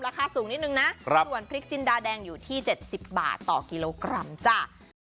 ราคาสูงนิดนึงนะส่วนพริกจินดาแดงอยู่ที่๗๐บาทต่อกิโลกรัมจ้ะ